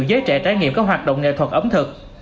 giới trẻ trải nghiệm các hoạt động nghệ thuật ẩm thực